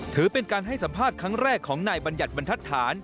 ถือเป็นการให้สัมภาษณ์ครั้งแรกของนายบัญญัติบรรทัศน์